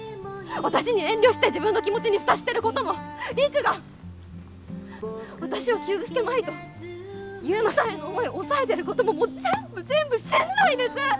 私に遠慮して自分の気持ちに蓋してることも陸が私を傷つけまいと悠磨さんへの思い抑えてることももう全部全部しんどいです！